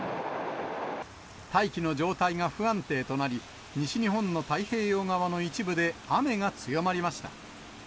大気の状態が不安定となり、西日本の太平洋側の一部で雨が強まりました。